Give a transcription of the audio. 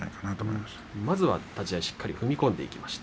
まずは立ち合いしっかり踏み込んでいきました。